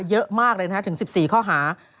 เยอะมากเลยนะครับถึง๑๔ข้อหา